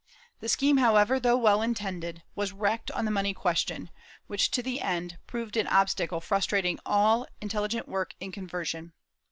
^ The scheme, however, though well intended, was wrecked on the money question which, to the end, proved an obstacle frustrating all intelligent work in conversion.